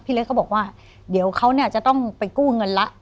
เล็กเขาบอกว่าเดี๋ยวเขาเนี่ยจะต้องไปกู้เงินละ